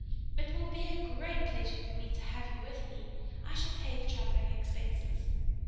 It will be a great pleasure for me to have you with me; I shall pay the travelling expenses!"